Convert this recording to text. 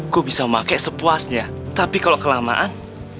gua bisa memakai sepuasnya tapi kalau kelamaan